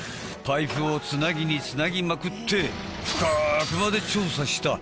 パイプをつなぎにつなぎまくって深くまで調査した。